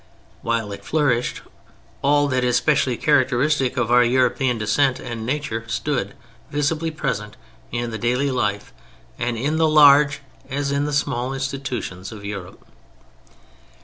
While it flourished, all that is specially characteristic of our European descent and nature stood visibly present in the daily life, and in the large, as in the small, institutions, of Europe.